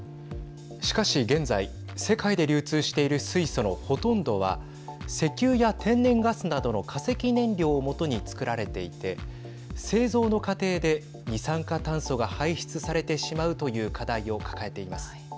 しかし現在世界で流通している水素のほとんどは石油や天然ガスなどの化石燃料をもとに作られていて製造の過程で二酸化炭素が排出されてしまうというはい。